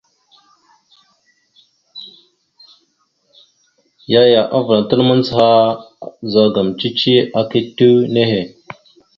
Yaya avəlatal mandzəha a mbiyez cici aka itew nehe.